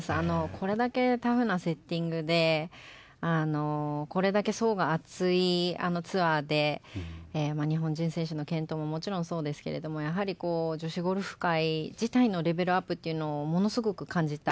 これだけタフなセッティングでこれだけ層が厚いツアーで日本人選手の健闘ももちろんそうですけども女子ゴルフ界自体のレベルアップというのもものすごく感じた